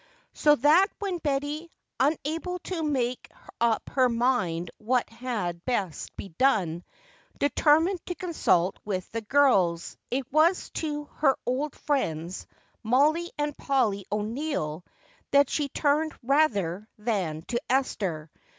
So that when Betty, unable to make up her mind what had best be done, determined to consult with the girls, it was to her old friends, Mollie and Polly O'Neill, that she turned rather than to Esther.